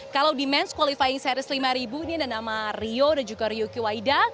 kalau di men s qualifying series lima ribu ini ada nama rio dan juga ryuki waida